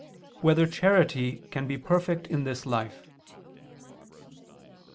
8] Whether Charity Can Be Perfect in This Life?